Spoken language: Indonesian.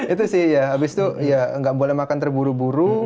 itu sih ya abis itu ya nggak boleh makan terburu buru